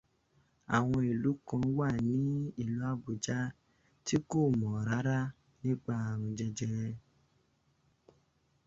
Àwọn ìlú kan wà ní ìlú Àbújá tí kò mọ̀ rárá nípa aarun jẹjẹrẹ.